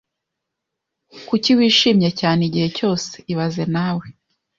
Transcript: Kuki wishimye cyane igihe cyose ibaze nawe